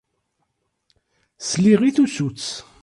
Sliɣ i tusut.